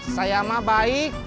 saya mah baik